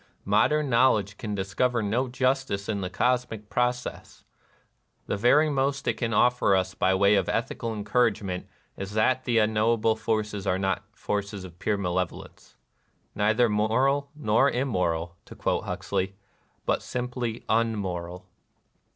Modern knowledge can discover 230 NIRVANA no justice in the cosmic process; — the very most it can offer ns by way of ethical encour agement is that the unknowable forces are not forces of pure malevolence. " Neither moral nor immoral," to quote Huxley, " but simply unmoral."